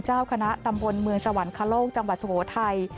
เจ้าคณะตำบลเมืองสวรรคโลกจังหวัดสุโขทัย